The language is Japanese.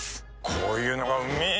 こういうのがうめぇ